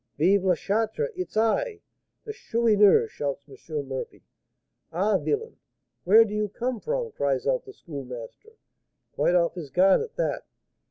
'Vive la Charte! it's I!' 'The Chourineur!' shouts M. Murphy. 'Ah, villain! where do you come from?' cries out the Schoolmaster, quite off his guard at that.